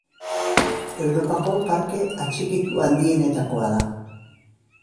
Europako parke atxikitu handienetakoa da.